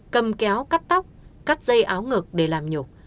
cầm kéo cắt tóc cắt dây áo ngực để làm nhục